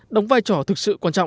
đóng vai trò thực sự quan trọng